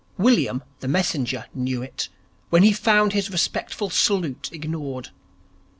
William, the messenger, knew it, when he found his respectful salute ignored.